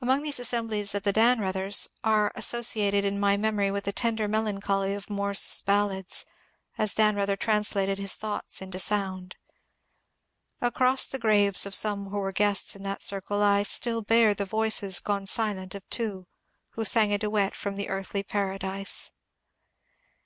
Among these the assemblies at the Dannreuthers are associ ated in my memory with the tender melancholy of Morris's ballads, as Dannreuther translated his thoughts into sound. Across the graves of some who were guests in that circle I still hear the voices gone silent of two who sang a duet from " The Earthly Paradise."